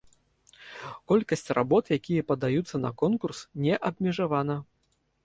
Колькасць работ, якія падаюцца на конкурс, не абмежавана.